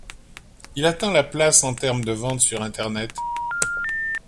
Il atteint la place en termes de ventes sur internet.